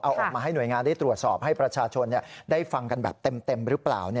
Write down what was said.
เอาออกมาให้หน่วยงานได้ตรวจสอบให้ประชาชนได้ฟังกันแบบเต็มหรือเปล่า